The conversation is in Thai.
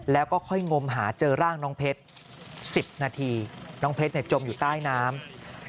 แล้วก็ค่อยงมหาเจอร่างน้องเพชร๑๐นาทีน้องเพชรจมอยู่ใต้น้ำ